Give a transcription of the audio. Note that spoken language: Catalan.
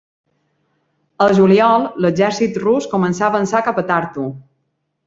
Al juliol l'exèrcit rus començà a avançar cap a Tartu.